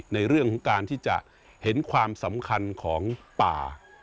ในเรื่องของการที่จะเห็นความสำคัญของป่า